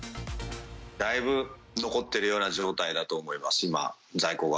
だいぶ残っているような状態だと思います、在庫が。